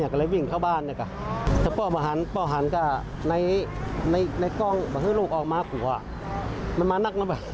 เออแล้วก็มองน้าอูมิส